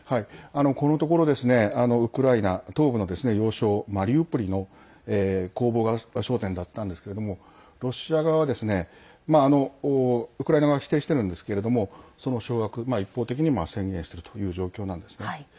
このところですねウクライナ東部の要衝マリウポリの攻防が焦点だったんですけれどもロシア側はですねまあ、ウクライナ側は否定しているんですがその掌握、一方的に宣言してるという状況なんですね。